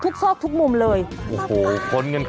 อยู่นี่หุ่นใดมาเพียบเลย